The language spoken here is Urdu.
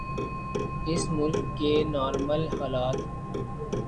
اس ملک کے نارمل حالات۔